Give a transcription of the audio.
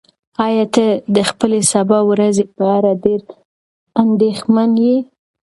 ایا ته د خپلې سبا ورځې په اړه ډېر اندېښمن یې؟